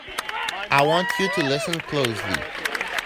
I want you to listen closely!